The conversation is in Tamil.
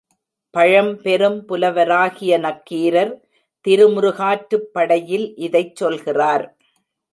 பழம்பெரும் புலவராகிய நக்கீரர் திருமுருகாற்றுப்படையில் இதைச் சொல்கிறார்.